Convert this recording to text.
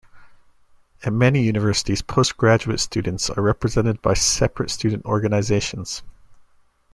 At many universities, postgraduate students are represented by separate student organisations.